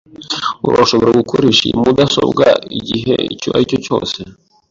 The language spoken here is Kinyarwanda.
Urashobora gukoresha iyi mudasobwa igihe icyo aricyo cyose .